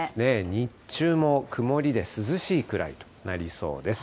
日中も曇りで涼しいくらいとなりそうです。